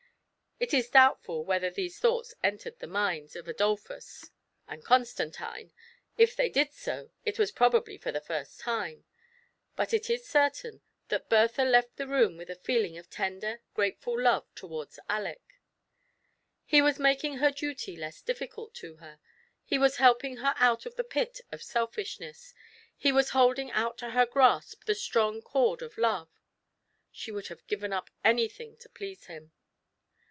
It is doubtful whether these thoughts entered the minds of Adolphus 76 TRIALS AND TROUBLES. and Constantine — if they did so, it was probably for the first time ; but it is certain that Bertha left the room with a feeling of tender, gratefiil love towards Aleck. He was making her duty less difficult to her, he was helping her out of the pit of Selfishness, he was holding out to her grasp the strong cord of Love — she would have given up anything to please him.